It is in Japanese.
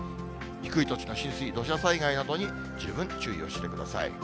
低い土地の浸水、土砂災害などに十分注意をしてください。